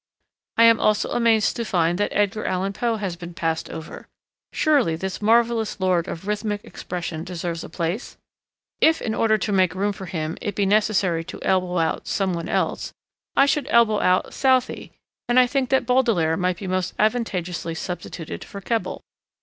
I am also amazed to find that Edgar Allan Poe has been passed over. Surely this marvellous lord of rhythmic expression deserves a place? If, in order to make room for him, it be necessary to elbow out some one else, I should elbow out Southey, and I think that Baudelaire might be most advantageously substituted for Keble.